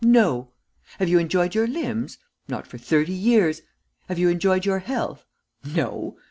No! Have you enjoyed your limbs? Not for thirty years. Have you enjoyed your health. No!